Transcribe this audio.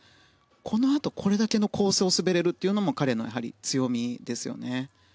このあと、これだけの構成を滑れるというのも彼の、やはり強みですよね。